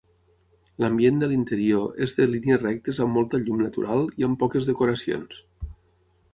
L'ambient de l'interior és de línies rectes amb molta llum natural i amb poques decoracions.